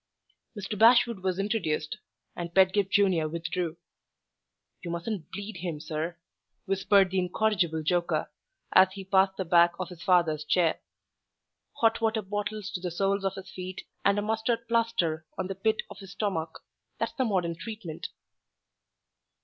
Mr. Bashwood was introduced, and Pedgift Junior withdrew. "You mustn't bleed him, sir," whispered the incorrigible joker, as he passed the back of his father's chair. "Hot water bottles to the soles of his feet, and a mustard plaster on the pit of his stomach that's the modern treatment."